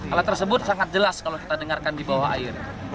alat tersebut sangat jelas kalau kita dengarkan di bawah air